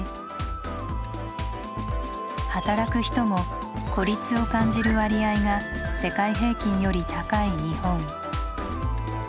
働く人も「孤立を感じる」割合が世界平均より高い日本。